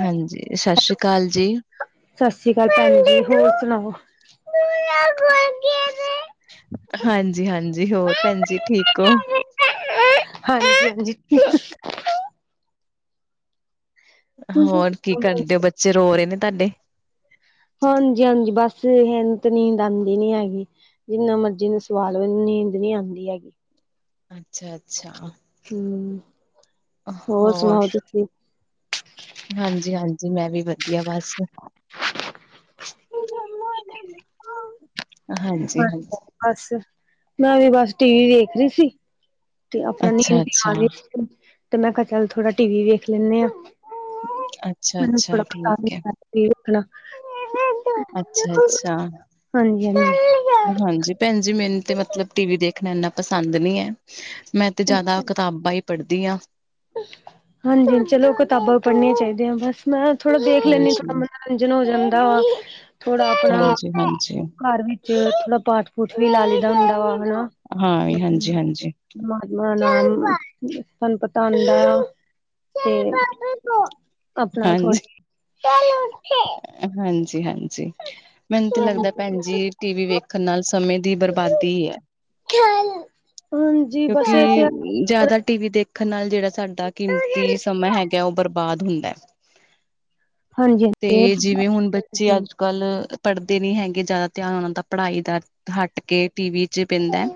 ਹਾਂਜੀ। ਸਸ੍ਰੀ ਅਕਾਲ ਜੀ। ਸਸ੍ਰੀ ਅਕਾਲ ਭੈਣ ਜੀ। ਹੋਰ ਸੁਣਾਓ। ਹਾਂਜੀ -ਹਾਂਜੀ ਹੋਰ ਭੈਣ ਜੀ ਠੀਕ ਹੋ। ਹਾਂਜੀ- ਹਾਂਜੀ। ਹੋਰ ਕੀ ਕਰਦੇ ਹੋ। ਬੱਚੇ ਰੋ ਰਹੇ ਨੇ ਤਾਡੇ। ਹਾਂਜੀ -ਹਾਂਜੀ ਬਸ ਜੀ ਇਹਨੂੰ ਨੀਦ ਆਉਂਦੀ ਨੀ ਹੈਗੀ। ਜਿੰਨਾ ਮਰਜ਼ੀ ਨੂੰ ਸਵਾਲ ਹੋ ਨੀਂਦ ਨਹੀਂ ਆਉਂਦੀ ਹੈਗੀ। ਅੱਛਾ-ਅੱਛਾ। ਹੂੰ [inaudible] ਹੋਰ ਸਣਾਈ ਤੁਸੀਂ। ਹਾਂਜੀ-ਹਾਂਜੀ ਮੈਂ ਵੀ ਵਧੀਆ ਬਸ। [unintelligible] ਹਾਂਜੀ-ਹਾਜੀ। ਬਸ ਮੈਂ ਵੀ ਬਸ ਟੀ-ਵੀ ਵੇਖ ਰਹੀ ਸੀ। ਤੇ ਆਪਣਾ ਨੀਂਦ ਵੀ ਅੱਛਾ-ਅੱਛਾ, ਆ ਰਹੀ ਸੀ, ਤੇ ਮੈਂ ਕ ਚਲ ਥੋੜਾ ਟੀ- ਵੀ ਵੇਖ ਲੈਨੇ ਆ [inaudible] ਠੀਕ ਹੈ। [inaudible] ਅੱਛਾ-ਅੱਛਾ, ਹਾਂਜੀ-ਹਾਂਜੀ। ਹਾਂਜੀ। ਭੈਨ ਜੀ ਮੈਨੂੰ ਤੇ ਮਤਲਬ ਟੀਵੀ ਦੇਖਨਾ ਏਨਾ ਪਸੰਦ ਨੀ ਐ, ਮੈਂ ਤੇ ਜਾਦਾ ਕਿਤਾਬਾਂ ਈ ਪੜਦੀ ਆਂ। ਹਾਂਜੀ ਚਲੋ ਕਿਤਾਬਾਂ ਪੜਨੀਆਂ ਚਾਈਦੀਆਂ ਬਸ ਮੈਂ ਥੋੜਾ ਦੇਖ ਲੈਂਨੀ ਆ ਹਾਂਜੀ, ਕੰਮ ਨਾਲ ਮਨਰੰਜਨ ਹੋ ਜਾਂਦਾ ਵਾ, ਥੋੜਾ ਆਪਨਾ ਹਾਂਜੀ-ਹਾਂਜੀ। ਘਰ ਵਿ ਤੇ ਥੋੜਾ ਪਾਠ-ਪੂਠ ਵੀ ਲਾਈਦਾ ਹੁੰਦਾ ਵਾ ਹਨਾ। ਹਾਂ ਵੀ ਹਾਂਜੀ-ਹਾਂਜੀ। ਮਹਾਤਮਾ ਨਾਮ ਸੰਨਪਤ [unintelligible] ਤੇ ਆਪਨਾ ਥੋੜਾ ਚਲੋ ਖੇ ਹਾਂਜੀ ਹਾਂ ਮੈਨੂੰ ਤੇ ਲੱਗਦਾ ਭੈਨ ਜੀ ਟੀਵੀ ਵੇਖਨ ਨਾਲ ਸਮੇਂ ਦੀ ਬਰਬਾਦੀ ਐ। ਖਿਆਲ ਹੁਨ ਕਿਓਂਕਿ ਜਾਦਾ ਟੀਵੀ ਦੇਖਨ ਨਾਲ ਜੇੜਾ ਸਾਡਾ ਹਾਂਜੀ ਕੀਮਤੀ ਸਮਾਂ ਹੈ ਗਾ ਓ ਬਰਬਾਦ ਹੁੰਦੈ, ਹਾਂਜੀ ਹਾਂਜੀ ਹਾਂਜੀ ਤੇ ਜਿਵੇਂ ਹੁਨ ਬੱਚੇ ਅੱਜ ਕੱਲ ਪੜਦੇ ਨੀ ਹੈਗੇ ਜਾਦਾ ਧਿਆਨ ਓਨਾਂ ਦਾ ਪੜਾਈ ਦਾ ਹੱਟ ਕੇ ਟੀਵੀ ਚ ਪੈਂਦਾ,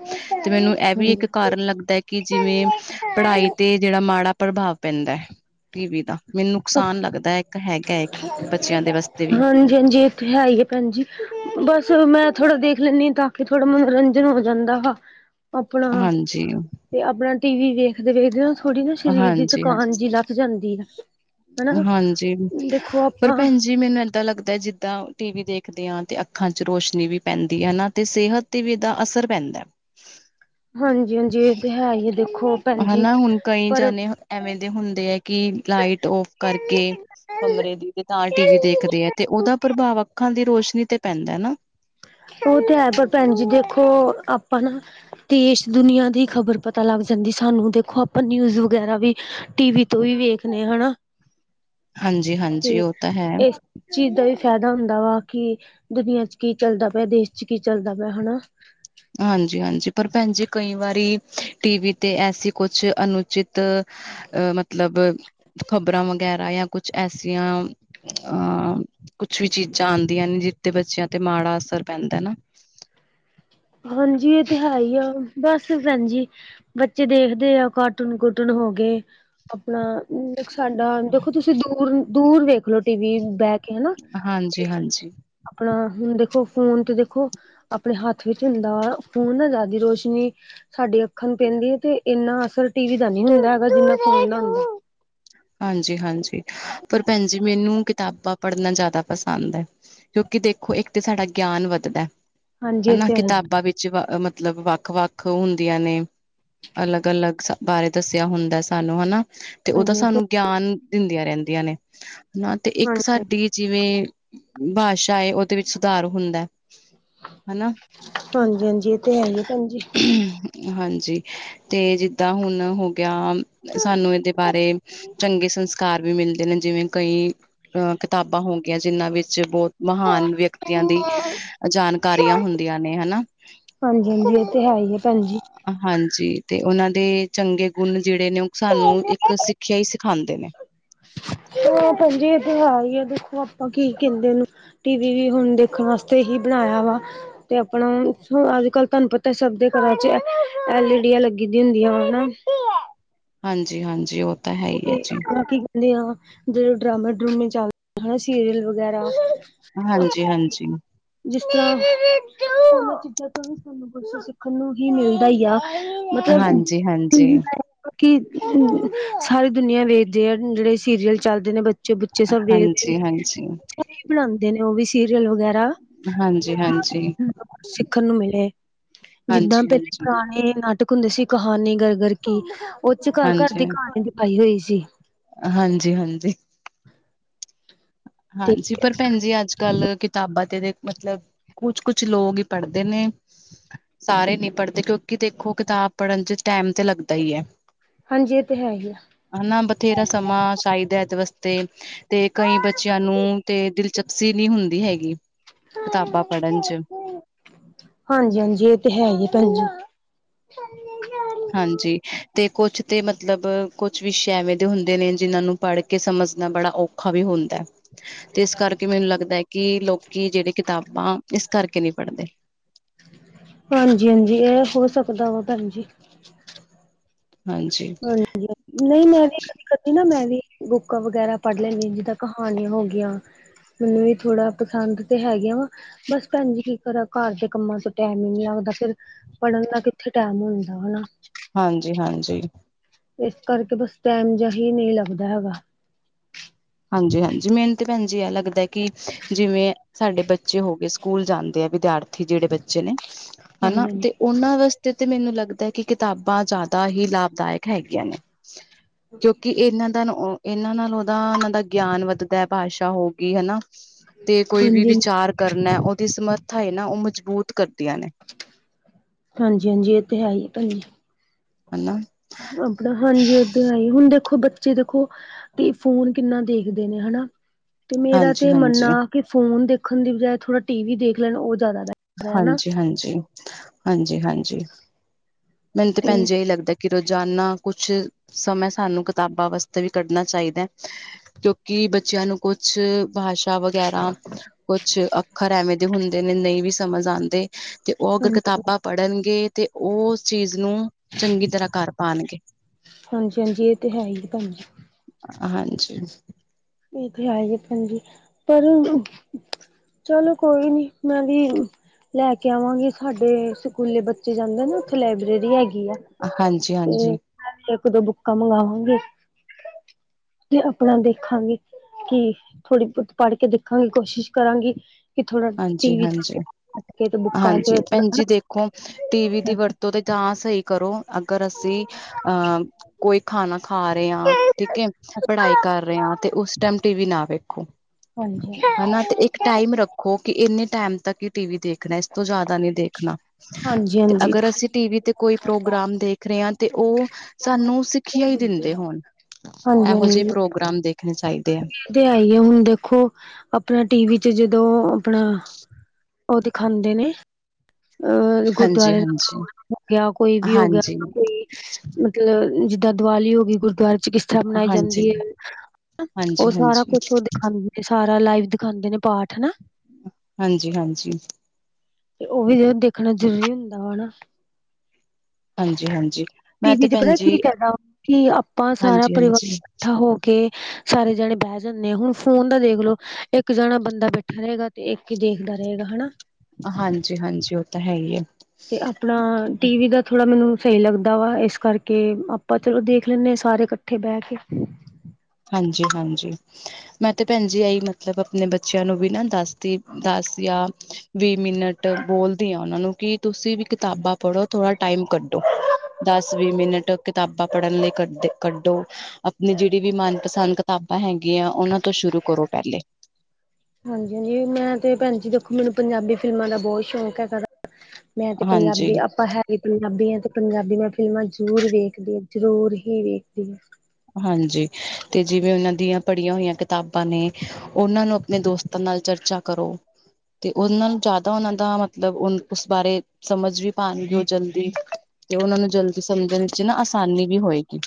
ਤੇ ਮੈਨੂੰ ਐ ਵੀ ਇੱਕ ਕਾਰਨ ਲੱਗਦਾ ਕੀ ਜਿਵੇਂ ਪੜਾਈ ਤੇ ਮਾੜਾ ਪ੍ਰਭਾਵ ਪੈਂਦਾ ਟੀਵੀ ਨਾ ਮੈਨੂੰ ਨੁਕਸਾਨ ਲੱਗਦਾ ਇੱਕ ਹੈਗਾ ਇੱਕ ਬੱਚੇਆਂ ਦੇ ਵਾਸਤੇ ਵੀ ਹਾਂਜੀ ਏ ਤੇ ਹੈਈ ਐ ਭੈਨ ਜੀ ਬਸ ਮੈਂ ਥੋੜਾ ਦੇਖ ਲੈਂਨੀ ਆ ਤਾਂ ਕੇ ਥੋੜਾ ਮਨੋਰੰਜਨ ਹੋ ਜਾਂਦਾ। ਹਾ ਹਾਂਜੀ। ਤੇ ਆਪਨਾ ਟੀਵੀ ਵੇਖਦੇ-ਵੇਖਦੇ ਨਾ ਥੋੜੀ ਨਾ ਸਰੀਰ ਦੀ ਹਾਂਜੀ ਥਕਾਨ ਹਾਂਜੀ ਜੀ ਲੱਥ ਜਾਂਦੀ ਐ। ਹਾਂਜੀ, ਪਰ ਭੈਨ ਜੀ ਮੈਨੂੰ ਏਦਾਂ ਲੱਗਦਾ ਜਿੱ ਤਾਂ ਟੀਵੀ ਦੇਖਦੇ ਆਂ ਤੇ ਅੱਖਾਂ ਚ ਰੋਸ਼ਨੀ ਵੀ ਪੈਂਦੀ ਐ ਨਾ ਤੇ ਸੇਹਤ ਤੇ ਵੀ ਏਦਾ ਅਸਰ ਪੈਂਦਾ। ਹਾਂਜੀ-ਹਾਂਜੀ ਇਹ ਤੇ ਹੈ ਹੀ ਦੇਖੋ ਭੈਣ ਜੀ ਹਨਾ ਹੁਨ ਕਈ ਪਰ ਜਾਨੇ ਐਵੇਂ ਦੇ ਹੁੰਦੇ ਐ ਕੀ ਲਾਈਟ ਔਫ ਕਰਕੇ ਕਮਰੇ ਦੀ ਤੇ ਤਾਂ ਟੀਵੀ ਦੇਖਦੇ ਆ ਤੇ ਓਦਾ ਪ੍ਰਭਾਵ ਅਪ ਅੱਖਾਂ ਦੀ ਰੋਸ਼ਨੀ ਤੇ ਪੈਂਦਾ ਨਾ। ਓ ਤੇ ਹੈ ਪਰ ਭੈਨ ਜੀ ਦੇਖੋ ਆਪਾਂ ਨਾ ਦੇਸ਼ ਦੁਨੀਆਂ ਦੀ ਖ਼ਬਰ ਪਤਾ ਲੱਗ ਜਾਂਦੀ ਐ ਸਾਨੂੰ ਦੇਖੋ ਆਪਾਂ ਨਿਊਜ਼ ਵਗੈਰਾ ਵੀ ਟੀਵੀ ਤੋਂ ਈ ਵੇਖਨੇ ਆ ਹਨਾ। ਹਾਂਜੀ ਤੇ ਹਾਂਜੀ ਉਹ ਤਾਂ ਹੈ ਏਸ ਚੀਜ਼ ਦਾ ਵੀ ਫੈਦਾ ਹੁੰਦਾ ਵਾ ਕੀ ਦੁਨੀਆਂ ਚ ਕੀ ਚੱਲਦਾ ਪਿਆ ਦੇਸ਼ ਚ ਕੀ ਚੱਲਦਾ ਪਿਆ ਹਨਾ ਹਾਂਜੀ-ਹਾਂਜੀ ਪਰ ਭੈਨ ਜੀ ਕਈ ਵਾਰੀ ਟੀਵੀ ਤੇ ਐਸੀ ਕੁਛ ਅਨੁਚਿਤ ਅ ਮਤਲਬ ਖ਼ਬਰਾਂ ਵਗੈਰਾ ਜਾਂ ਕੁਛ ਐਸੀਆਂ ਆਂ ਕੁਛ ਵੀ ਚੀਜ਼ਾਂ ਆਂਦੀਆਂ ਨੇ ਜਿਦੇ ਤੇ ਬੱਚੇਆਂ ਤੇ ਮਾੜਾ ਅਸਰ ਪੈਂਦਾ ਨਾ। ਹਾਂਜੀ ਏ ਤੇ ਹੈਈ ਆ ਬਸ ਭੈਨ ਜੀ ਬੱਚੇ ਦੇਖਦੇ ਆ ਕਾਟੂਨ-ਕਾਟੂਨ ਹੋਗੇ। ਆਪਨਾ ਸਾਡਾ ਦੇਖੋ ਤੁਸੀਂ ਦੂਰ-ਦੂਰ ਵੇਖਲੋ ਟੀਵੀ ਬੈਅ ਕੈਨਾ ਹਾਂਜੀ, ਤੇ ਹਾਂਜੀ। ਆਪਨਾ ਹੁਨ ਦੇਖੋ ਫੋਨ ਤੇ ਦੇਖੋ ਆਪਨੇ ਹੱਥ ਹੱਥ ਵਿੱਚ ਹੁੰਦਾ ਵਾ ਫੋਨ ਨਾ ਜਾਦੀ ਰੋਸ਼ਨੀ ਸਾਡੀ ਅੱਖਾਂ ਨੂੰ ਪੈਂਦੀ ਏ ਤੇ ਇੰਨਾ ਅਸਰ ਟੀਵੀ ਦਾ ਨੀ ਹੁੰਦਾ ਹੈਗਾ ਜਿੰਨਾ ਫੋਨ ਦਾ ਹੁੰਦਾ। ਹਾਂਜੀ-ਹਾਂਜੀ, ਪਰ ਭੈਨ ਜੀ ਮੈਨੂੰ ਕਿਤਾਬਾਂ ਪੜਨਾ ਜਾਦਾ ਪਸੰਦ ਐ ਕਿਓਂਕਿ ਦੇਖੋ ਇੱਕ ਤੇ ਸਾਡਾ ਗਿਆਨ ਵੱਦਦਾ ਹਾਂਜੀ ਇਹ ਹਨਾ ਤੇ ਹੈ ਕਿਤਾਬਾਂ ਵਿੱਚ ਮਤਲਬ ਵੱਖ-ਵੱਖ ਓ ਹੁੰਦੀਆਂ ਨੇ। ਅਲੱਗ ਅਲੱਗ ਸ ਬਾਰੇ ਦੱਸਿਆ ਹੁੰਦਾ ਸਾਨੂੰ ਹਨਾ ਤੇ ਉਹ ਤਾਂ ਹਾਂਜੀ ਇਹ ਸਾਨੂੰ ਗਿਆਨ ਦਿੰਦੀਆਂ ਰਹਿੰਦੀਆਂ ਨੇ ਹਨਾ ਤੇ ਇੱਕ ਹਾਂਜੀ ਸਾਡੀ ਜਿਵੇਂ, ਭਾਸ਼ਾ ਏ ਓ ਦੇ ਵਿੱਚ ਸੁਧਾਰ ਹੁੰਦਾ, ਹਨਾ। ਏਹ ਤੇ ਹੈ ਏ ਭੈਣ ਜੀ। ਹਾਂਜੀ ਤੇ ਜਿੱਦਾਂ ਹੁਣ ਹੋ ਗਿਆ ਸਾਨੂੰ ਇਹਦੇ ਬਾਰੇ ਚੰਗੇ ਸੰਸਕਾਰ ਵੀ ਮਿਲਦੇ ਨੇ ਜਿਵੇਂ ਕਈ ਅ ਕਿਤਾਬਾਂ ਹੋ ਗਈਆਂ ਜਿਨਾਂ ਵਿੱਚ ਬੋਤ ਮਹਾਨ ਵਿਅਕਤੀਆਂ ਦੀ ਜਾਣਕਾਰੀਆਂ ਹੁੰਦੀਆਂ ਨੇ ਹਨਾ। ਹਾਂਜੀ-ਹਾਂਜੀ ਏਹ ਤੇ ਹੈ ਹੀ ਐ ਭੈਣ ਜੀ। ਹਾਂਜੀ ਤੇ ਉਹਨਾਂ ਦੇ ਚੰਗੇ ਗੁਣ ਜਿਹੜੇ ਨੇ ਉਹ ਸਾਨੂੰ ਇੱਕ ਸਿੱਖਿਆ ਹੀ ਸਿਖਾਂਦੇ ਨੇ। [inaudible] ਹਾਂ ਭੈਣਜੀ ਏਹ ਤਾਂ ਹੈ ਹੀ ਆ ਦੇਖੋ ਆਪਾਂ ਕੀ ਕਹਿੰਦੇ ਉਨੂੰ ਟੀ-ਵੀ ਵੀ ਹੁਣ ਦੇਖਣ ਵਾਸਤੇ ਹੀ ਬਣਾਇਆ ਵਾ ਤੇ ਆਪਣਾ ਅੱਜ ਕੱਲ ਤਾਨੂ ਪਤਾ ਤਾਂ ਸਭ ਦੇ ਘਰਾਂ ਚ ਐਲ ਈ ਡੀ ਆ ਲੱਗੀ ਦੀ ਹੁੰਦੀਆਂ ਹਨਾ। ਹਾਂਜੀ-ਹਾਂਜੀ ਉਹ ਤਾਂ ਹੈ ਹੀ ਤੇ ਹੈ ਜੀ ਉਨੂੰ ਕੀ ਕਹਿੰਦੇ ਆ ਜਦੋਂ ਡਰਾਮਾ ਡਰੂਮੇ ਚਲਦੇ ਹਨਾ ਸੀਰੀਅਲ ਵ ਵਗੈਰਾ ਅ ਹਾਂਜੀ ਹਾਂਜੀ ਜਿਸ ਤਰ੍ਹਾਂ ਉਹਨਾਂ ਚੀਜ਼ਾਂ ਤੋਂ ਵੀ ਸਾਨੂੰ ਕੁਝ ਸਿੱ ਸਿਖਣ ਨੂੰ ਹੀ ਮਿਲਦਾ ਹੀ ਆ ਮਤਲਬ ਹਾਂਜੀ ਹਾਂਜੀ [unintelligible] ਸਾਰੀ ਦੁਨੀਆਂ ਵੇਖਦੇ ਆ ਜਿਹੜੇ ਸੀਰੀਅਲ ਚੱਲਦੇ ਨੇ ਬੱਚੇ ਬੁਚੇ ਸਭ ਵੇਖਦੇ ਨੇ। ਹਾਂਜੀ ਹਾਂਜੀ ਕਿ ਬਣਾਂਦੇ ਨੇ ਉਹ ਵੀ ਸੀਰੀਅਲ ਵਗੈਰਾ ਹਾਂਜੀ-ਹਾਂਜੀ ਸਿਖਣ ਨੂੰ ਮਿਲੇ, ਜਿੱਦਾਂ ਹਾਂਜੀ ਪਹਲੇ ਪੁਰਾਣੇ ਨਾਟਕ ਇਕ ਹੁੰਦੀ ਸੀ ਕਹਾਣੀ ਘਰ-ਘਰ ਕੀ ਉਹ ਚ ਘਰ-ਘਰ ਦੀ ਕਹਾਣੀ ਦਿਖਾਈ ਹੋਈ ਸੀ। ਹਾਂਜੀ-ਹਾਂਜੀ ਤੇ ਹਾਂਜੀ ਪਰ ਭੈਣ ਜੀ ਅੱਜ ਕੱਲ੍ਹ ਕਿਤਾਬਾਂ ਤੇ ਮਤਲਬ ਕੁਛ ਕੁਛ ਲੋਕ ਹੀ ਪੜ੍ਹਦੇ ਨੇ। ਸਾਰੇ ਨਹੀ ਪੜ੍ਹਦੇ ਕਿਉਂਕਿ ਦੇਖੋ ਕਿਤਾਬ ਪੜ੍ਹਨ ਚ ਟੈਮ ਤੇ ਲੱਗਦਾ ਹੀ ਐ। ਹਾਂਜੀ ਏਹ ਤੇ ਹੈ ਹੀ ਆ। ਹਨਾ ਬਥੇਰਾ ਸਮਾਂ ਚਾਹੀਦਾ ਏਦੇ ਵਾਸਤੇ ਤੇ ਕਈ ਬੱ ਬੱਚਿਆਂ ਨੂੰ ਤੇ ਦਿਲਚਪਸੀ ਨੀਂ ਹੁੰਦੀ ਹੈਗੀ ਕਿਤਾਬਾਂ ਪੜ੍ਹਨ ਚ ਹਾਂਜੀ-ਹਾਂਜੀ ਏਹ ਤੇ ਹੈ ਹੀ ਭੈਣ ਜੀ। [inaudible] ਹਾਂਜੀ ਤੇ ਕੁਛ ਤੇ ਮਤਲਬ ਕੁਛ ਵਿਸ਼ੇ ਐਵੇਂ ਦੇ ਹੁੰਦੇ ਨੇ ਜਿਹਨਾਂ ਨੂੰ ਪੜ ਕੇ ਸਮਝਣਾ ਬੜਾ ਔਖਾ ਵੀ ਹੁੰਦਾ। ਤੇ ਇਸ ਕਰਕੇ ਮੈਨੂੰ ਲੱਗਦਾ ਐ ਕਿ ਲੋਕੀ ਜਿਹੜੇ ਕਿਤਾਬਾਂ ਇਸ ਕਰਕੇ ਨੀਂ ਪੜਦੇ ਹਾਂਜੀ-ਹਾਂਜੀ ਏਹ ਹੋ ਸਕਦਾ ਵਾ ਭੈਣ ਜੀ। ਹਾਂਜੀ ਹਾਂਜੀ ਨਹੀਂ ਮੈਂ ਵੀ ਕਦੇ ਨਾ ਮੈਂ ਵੀ ਬੁੱਕਾਂ ਵਗੈਰਾ ਪੜ ਲੈਣੀ ਜਿੱਦਾਂ ਕਹਾਣੀਆਂ ਹੋ ਗਈਆਂ। ਮੈਨੂੰ ਵੀ ਥੋੜਾ ਪਸੰਦ ਤੇ ਹੈਗੇ ਵਾ। ਬਸ ਭੈਣ ਜੀ ਕੀ ਕਰਾਂ ਘਰ ਦੇ ਕੰਮਾਂ ਤੋਂ ਟੈਮ ਹੀ ਨਈ ਲੱਗਦਾ ਫੇਰ ਪੜਨ ਦਾ ਕਿੱਥੇ ਟੈਮ ਹੁੰਦਾ ਹਨਾ ਹਾਂਜੀ-ਹਾਂਜੀ। ਏਸ ਕਰਕੇ ਬਸ ਟੈਮ ਜਿਹਾ ਈ ਨੀ ਲੱਗਦਾ ਹੈਗਾ। ਹਾਂਜੀ-ਹਾਂਜੀ ਮੈਨੂੰ ਤੇ ਭੈਣ ਜੀ ਐਹ ਲਗਦਾ ਕਿ, ਜਿਵੇਂ ਸਾਡੇ ਬੱਚੇ ਹੋਗੇ ਸਕੂਲ ਜਾਂਦੇ ਆ ਵਿਦਿਆਰਥੀ ਜੇੜੇ ਬੱਚੇ ਨੇ, ਹਨਾ ਹਾਂਜੀ ਤੇ ਓਨਾਂ ਵਾਸਤੇ ਤੇ ਮੈਨੂੰ ਲੱਗਦੈ ਕਿ ਕਿਤਾਬਾਂ ਜ਼ਿਆਦਾ ਹੀ ਲਾਭਦਾਇਕ ਹੈਗੀਆਂ ਨੇ। ਕਿਉਂਕਿ ਏਨਾ ਦਨ ਏਨਾ ਨਾਲ ਓਦਾ ਓਨਾਂ ਦਾ ਗਿਆਨ ਵੱਧਦਾ ਭਾਸ਼ਾ ਹੋਗੀ ਹਨਾ, ਤੇ ਕੋ‌ਈ ਵੀ ਹਾਂਜੀ ਹਾਂਜੀ ਵਿਚਾਰ ਕਰਨਾ ਓਦੀ ਸਮਰ ਥਾ ਏ ਨਾ ਓ ਮਜ਼ਬੂਤ ਕਰਦੀਆਂ ਨੇ। ਹਾਂਜੀ-ਹਾਂਜੀ ਏ ਤੇ ਹੈ ਹੀ ਐ ਭੈਣ ਜੀ। ਹਨਾ? ਆਪਣਾ ਹਾਂਜੀ ਏ ਤੇ ਹੈ ਈ, ਹੁਣ ਦੇਖੋ ਬੱਚੇ ਦੇਖੋ ਤੇ ਫੋਨ ਕਿੰਨਾ ਦੇਖਦੇ ਨੇ ਹਨਾ। ਤੇ ਮੇਰਾ ਤੇ ਮੰਨਣਾ ਹਾਂਜੀ-ਹਾਂਜੀ, ਕਿ ਫੋਨ ਦੇਖਣ ਦੀ ਬਜਾਏ ਥੋੜਾ ਟੀ ਵੀ ਦੇਖ ਲੈਣ ਓ ਜਾਦਾ ਹਾਂਜੀ-ਹਾਂਜੀ, ਹਾਂਜੀ-ਹਾਂਜੀ ਮੈਨੂੰ ਤੇ ਭੈਣ ਜੀ ਏਹੀ ਲੱਗਦਾ ਕਿ ਰੋਜ਼ਾਨਾ ਕੁਛ ਸਮਾਂ ਸਾਨੂੰ ਕਤਾਬਾਂ ਵਾਸ ਵੀ ਕੱਢਣਾ ਚਾਹੀਦੈ, ਕਿਉਂਕਿ ਬੱਚਿਆਂ ਨੂੰ ਕੁਛ ਭਾਸ਼ਾ ਵਗੈਰਾ, ਕੁਛ ਅੱਖਰ ਐਵੇਂ ਦੇ ਹੁੰਦੇ ਨੇ ਨ‌ਈ ਵੀ ਸਮਝ ਆਂਦੇ, ਤੇ ਓ ਅਗਰ ਹਾਂਜੀ ਕਤਾਬਾਂ ਪੜ੍ਹਨਗੇ ਤੇ ਓਸ ਚੀਜ਼ ਨੂੰ ਚੰਗੀ ਤਰ੍ਹਾਂ ਕਰ ਪਾਣਗੇ। ਹਾਂਜੀ-ਹਾਂਜੀ ਏ ਤੇ ਹੈ ਈ ਐ ਭੈਣ ਜੀ। ਹਾਂਜੀ। ਏ ਤੇ ਹੈ ਹੀ ਐ ਭੈਣ ਜੀ, ਪਰ ਚਲੋ ਕੋਈ ਨੀ ਮੈਂ ਵੀ ਲੈ ਕੇ ਆਵਾਗੇ ਸਾਡੇ ਸਕੂਲੇ ਬੱਚੇ ਜਾਂਦੇ ਆ ਨਾ ਉੱਥੇ ਲਾਇਬ੍ਰੇਰੀ ਹੈਗੀ ਆ। ਹਾਂਜੀ-ਹਾਂਜੀ। [unintelligible] ਇੱਕ-ਦੋ ਬੁੱਕਾਂ ਮੰਗਾਵਾਗੇ ਤੇ ਆਪਣਾ ਦੇਖਾਗੇ। ਕੀ ਥੋੜੀ ਪ ਪੜ ਕੇ ਦੇਖਾਗੀ ਕੋਸ਼ਿਸ਼ ਕਰਾਗੀ। ਹਾਂਜੀ-ਹਾਂਜੀ, ਬੁੱਕਾਂ ਹਾਂਜੀ ਚ ਭੈਣ ਜੀ ਹਾਂਜੀ ਦੇਖੋ ਟੀ ਵੀ ਦੀ ਵਰ ਤੋਂ ਤਾ ਸ‌ਈ ਕਰੋ ਅਗਰ ਅਸੀਂ ਅਹ ਕੋਈ ਖਾਣਾ ਖਾ ਰੇ ਆ ਠੀਕ ਐ, ਪੜਾਈ ਕਰ ਰੇ ਆ ਤੇ ਉਸ ਟੈਮ ਟੀ ਵੀ ਨਾ ਵੇਖੋ, ਹਾਂਜੀ ਹਨਾ ਤੇ ਇੱਕ ਟਾਈਮ ਰੱਖੋ ਕਿ ਐਨੇ ਟਾਈਮ ਤੱਕ ਈ ਟੀ ਵੀ ਦੇਖ ਖਣਾ ਇਸ ਤੋਂ ਜਾਦਾ ਨੀ ਦੇਖਣਾ। ਹਾਂਜੀ ਤੇ ਹਾਂਜੀ ਅਗਰ ਅਸੀਂ ਟੀਵੀ ਤੇ ਕੋਈ ਪ੍ਰੋਗਰਾਮ ਦੇਖ ਰੇ ਆ ਤੇ ਓ ਸਾਨੂੰ ਸਿੱਖੀਆ ਈ ਦਿੰਦੇ ਹੋਣ ਐਹੋ ਜੇ ਹਾਂਜੀ ਇਹ ਪ੍ਰੋਗਰਾਮ ਦੇਖਣੇ ਚਾਹੀਦੇ ਐ। ਤੇ ਐਈ ਐ ਹੁਣ ਦੇਖੋ, ਆਪਣਾ ਟੀਵੀ ਚ ਜਦੋਂ ਆਪਣਾ ਓ ਦਿਖਾਦੇ ਨੇ। ਅਹ ਹਾਂਜੀ ਗੁਰਦੁਆਰੇ ਦਾ ਹਾਂਜੀ ਪ੍ਰੋਗਰਾਮ ਹੋ ਗਿਆ ਕੋਈ ਵੀ ਹੋ ਗਿਆ ਹਾਂਜੀ ਹਾਂਜੀ [unintelligible] ਕੋਈ ਮਤਲਬ ਜਿੱਦਾਂ ਦੀਵਾਲੀ ਹੋਗੀ ਗੁਰਦੁਆਰੇ ਚ ਕਿਸ ਤਰਾਂ ਮਨਾਈ ਜਾਂਦੀ ਏ, ਹਾਂਜੀ ਹਨਾ ਓ ਹਾਂਜੀ ਸਾਰਾ ਕੁਛ ਓ ਦਿਖਾਦ ਦੇ ਸਾਰਾ ਲਾਈਵ ਦਿਖਾਦੇ ਨੇ ਪਾਠ ਨਾ। ਹਾਂਜੀ-ਹਾਂਜੀ। ਓ ਵੀ ਦੇਖਣਾ ਜ਼ਰੂਰੀ ਹੁੰਦਾ ਵਾ ਨਾ। ਹਾਂਜੀ-ਹਾਂਜੀ। ਟੀ ਵੀ ਚ ਪਤਾ ਕੀ ਫੈਦਾ, ਕਿ ਆਪਾਂ ਸਾਰਾ ਹਾਂਜੀ ਪਰਿਵਾਰ ਹਾਂਜੀ ਕੱਠਾ ਹੋ ਕੇ ਸਾਰੇ ਜਣੇ ਬਹਿ ਜਾਨੇ ਆ ਹੁਣ ਫੋਨ ਦਾ ਦੇਖਲੋ ਇੱਕ ਜਣਾ ਬੰਦਾ ਬੈਠਾ ਰਹੇਗਾ ਤੇ ਇੱਕ ਈ ਦੇਖਦਾ ਰਹੇਗਾ ਹਨਾ। ਹਾਂਜੀ-ਹਾਂਜੀ ਉਹ ਤਾਂ ਹੈ ਹੀ ਹੈ। ਤੇ ਆਪ ਆਪਣਾ ਟੀ ਵੀ ਦਾ ਥੋੜ੍ਹਾ ਮੈਨੂੰ ਸਹੀ ਲੱਗਦਾ ਵਾ ਇਸ ਕਰਕੇ ਆਪਾਂ ਚਲੋ ਦੇਖ ਲੈਂਦੇ ਹਾਂ ਸਾਰੇ ਇੱਕਠੇ ਇਕੱਠੇ ਬਹਿ ਕੇ। ਹਾਂਜੀ ਹਾਂਜੀ [unintelligible] ਮੈਂ ਤੇ ਭੈਣ ਜੀ ਐਈ ਮਤਲਬ ਆਪਣੇ ਬੱਚਿਆਂ ਨੂੰ ਵੀ ਨਾ ਦੱਸਦੀ ਦੱਸ ਦੀ ਆ ਵੀਹ ਮਿੰਟ ਬੋਲਦੀ ਆ ਉਹਨਾਂ ਨੂੰ ਕਿ ਤੁਸੀਂ ਵੀ ਕਿਤਾਬਾਂ ਪੜ੍ਹੋ ਥੋੜਾ ਟਾਈਮ ਕੱਢੋ। ਦਸ ਵੀਹ ਮਿੰਟ ਕਿਤਾਬਾਂ ਪੜ੍ਹਨ ਲਈ ਕੱਢ ਕੱਢੋ ਆਪਣੀ ਜਿਹੜੀ ਵੀ ਮਨ ਪਸੰਦ ਕਿਤਾਬਾਂ ਹੈਗੀਆਂ ਉਹਨਾਂ ਤੋਂ ਸ਼ੁਰੂ ਕਰੋ ਪਹਿਲੇ। ਹਾਂਜੀ ਹਾਂਜੀ ਮੈਂ ਤੇ ਭੈਣ ਜੀ ਦੇਖੋ ਮੈਨੂੰ ਪੰਜਾਬੀ ਫਿਲਮਾਂ ਦਾ ਬਹੁਤ ਸ਼ੌਕ ਹੈਗਾ ਗਾ। [unintelligible] ਮੈਂ ਤੇ ਹਾਂਜੀ ਪੰਜਾਬੀ ਆਪਾਂ ਹੈ ਜੇ ਪੰਜਾਬੀ ਆ ਤੇ ਪੰਜਾਬੀ ਮੈਂ ਫਿਲਮਾਂ ਜ਼ਰੂਰ ਵੇਖਦੀ ਹਾਂ ਜ਼ਰੂਰ ਹੀ ਵੇਖਦੀ ਹਾਂ। ਹਾਂਜੀ ਤੇ ਜਿਵੇਂ ਉਹਨਾਂ ਦੀਆਂ ਪੜ੍ਹੀਆਂ ਹੋਈਆਂ ਕਿਤਾਬਾਂ ਨੇ ਉਹਨਾ ਨੂੰ ਆਪਣੇ ਦੋਸਤਾਂ ਨਾਲ ਚਰਚਾ ਕਰੋ। ਤੇ ਉਹਨਾ ਨੂੰ ਜ਼ਿਆਦਾ ਉਹਨਾਂ ਦਾ ਮਤਲਬ ਉਸ ਬਾਰੇ ਸਮਝ ਵੀ ਪਾਣਗੇ ਉਹ ਜਲਦੀ। ਤੇ ਉਹਨਾਂ ਨੂੰ ਜਲਦੀ ਸਮਝਣ ਵਿੱਚ ਨਾ ਆਸਾਨੀ ਵੀ ਹੋਏਗੀ।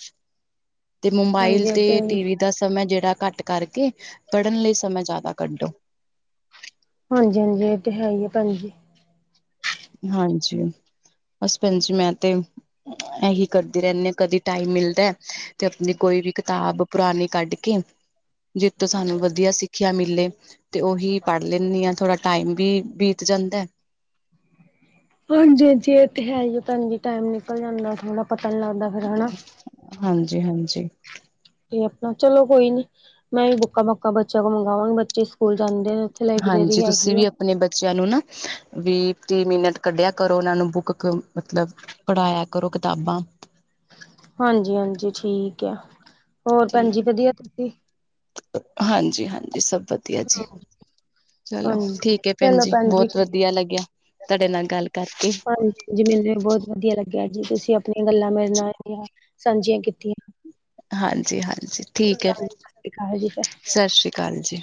ਤੇ ਮੋਬਾਈਲ ਹਾਂਜੀ ਤੇ ਇਹ ਟੀਵੀ ਦਾ ਸਮਾਂ ਜਿਹੜਾ ਘੱਟ ਕਰਕੇ ਪੜ੍ਹਨ ਲਈ ਸਮਾਂ ਜ਼ਿਆਦਾ ਕੱਢੋ। ਹਾਂਜੀ ਹਾਂਜੀ ਇਹ ਤੇ ਹੈ ਹੀ ਆ ਭੈਣਜੀ। ਹਾਂਜੀ [inaudible] ਬਸ ਭੈਣ ਜੀ ਮੈਂ ਤੇ ਇਹੀ ਕਰਦੀ ਰਹਿੰਦੀ ਹਾਂ ਕਦੀ ਟਾਈਮ ਮਿਲਦਾ ਤੇ ਆਪਣੀ ਕੋਈ ਵੀ ਕਿਤਾਬ ਪੁਰਾਣੀ ਕੱਢ ਕੇ ਜਿੱਤੋਂ ਸਾਨੂੰ ਵਧੀਆ ਸਿੱਖਿਆ ਮਿਲੇ, ਤੇ ਉਹੀ ਪੜ੍ਹ ਲੈਂਨੀ ਹਾਂ ਥੋੜਾ ਟਾਈਮ ਵੀ ਬੀਤ ਜਾਂਦਾ। ਹਾਂਜੀ ਹਾਂਜੀ, ਇਹ ਤੇ ਹੈ ਹੀ ਭੈਣ ਜੀ ਟਾਈਮ ਨਿਕਲ ਜਾਂਦਾ ਥੋੜਾ ਪਤਾ ਨੀ ਲੱਗਦਾ ਫਿਰ ਹਨਾ। ਹਾਂਜੀ ਹਾਂਜੀ ਤੇ ਆਪਣਾ ਚਲੋ ਕੋਈ ਨੀ ਮੈਂ ਵੀ ਬੁੱਕਾਂ ਬਾਕਾਂ ਬੱਚਿਆਂ ਕੋਲ ਮੰਗਵਾਵਾਂਗੀ ਬੱਚੇ ਸਕੂਲ ਜਾਂਦੇ ਨੇ, ਉੱਥੇ ਹਾਂਜੀ ਲਾਇਬ੍ਰੇਰੀ ਤੁਸੀਂ ਹੈਗੀ ਵੀ ਆ ਆਪਣੇ ਬੱਚਿਆਂ ਨੂੰ ਨਾ ਵੀਹ -ਤੀਹ ਮਿੰਟ ਕੱਢਿਆ ਕਰੋ ਉਹਨਾਂ ਨੂੰ ਬੁੱਕ ਮਤਲਬ ਪੜਾਇਆ ਕਰੋ ਕਿਤਾਬਾ। ਹਾਂਜੀ ਹਾਂਜੀ ਠੀਕ ਆ, ਹੋਰ ਤੇ ਭੈਣ ਜੀ ਵਧੀਆ ਤੁਸੀਂ? ਹਾਂਜੀ ਹਾਂਜੀ ਸਭ ਵਧੀਆ ਜੀ। ਚਲੋ ਹਾਂਜੀ ਠੀਕ ਹੈ ਭੈਣ ਚਲੋ ਜੀ, ਬਹੁਤ ਠੀਕ ਵਧੀਆ ਲੱਗਿਆ ਤੁਹਾਡੇ ਨਾਲ ਗੱਲ ਕਰਕੇ। ਜੀ ਮੈਨੂੰ ਵੀ ਬਹੁਤ ਵਧੀਆ ਲੱਗਿਆ ਜੀ ਤੁਸੀਂ ਆਪਣੀਆਂ ਗੱਲਾਂ ਮੇਰੇ ਨਾਲ ਜਿਹੜੀਆ ਸਾਂਝੀਆਂ ਕੀਤੀਆਂ। ਹਾਂਜੀ ਹਾਂਜੀ ਠੀਕ ਹੈ। ਹਾਂਜੀ ਸਤਿ ਸ਼੍ਰੀ ਅਕਾਲ ਜੀ ਫਿਰ। ਸਾਸਰੀ ਕਾਲ ਜੀ।